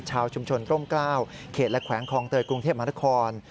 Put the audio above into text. ชาวชุมชนร่มกล้าวเขตและแขวงคลองเตยกรุงเทพมหานคร